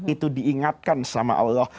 itu diingatkan sama allah